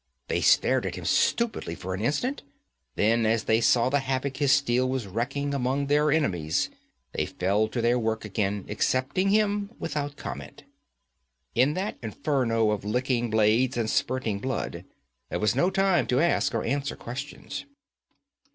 They stared at him stupidly for an instant; then as they saw the havoc his steel was wreaking among their enemies, they fell to their work again, accepting him without comment. In that inferno of licking blades and spurting blood there was no time to ask or answer questions.